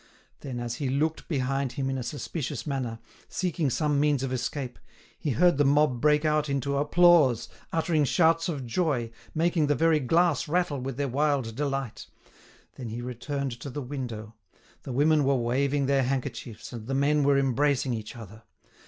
Then, as he looked behind him in a suspicious manner, seeking some means of escape, he heard the mob break out into applause, uttering shouts of joy, making the very glass rattle with their wild delight. Then he returned to the window; the women were waving their handkerchiefs, and the men were embracing each other.